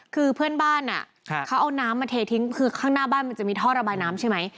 คือเพื่อนบ้านเขาเอาน้ำมาเททิ้งคือข้างหน้าบ้านมันจะมีท่อระบายน้ำใช่ไหม